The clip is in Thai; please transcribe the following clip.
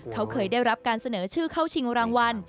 เขาเคยได้รับการเสนอชื่อเข้าชิงรางวัล